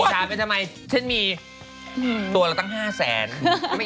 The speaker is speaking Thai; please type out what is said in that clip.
อิจฉาเป็นทำไมฉันมีตัวละตั้ง๕๐๐๐๐๐ไม่อิจฉาแล้ว